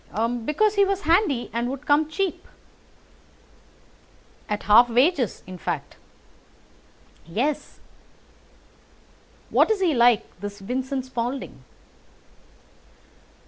"Because he was handy and would come cheap." "At half wages, in fact." "Yes." "What is he like, this Vincent Spaulding?"